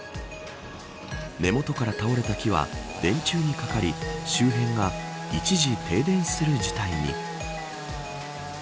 根元から倒れた木は電柱にかかり周辺が一時停電する事態に。